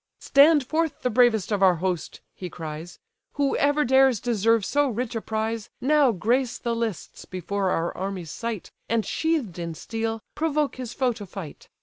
"Stand forth the bravest of our host! (he cries) Whoever dares deserve so rich a prize, Now grace the lists before our army's sight, And sheathed in steel, provoke his foe to fight.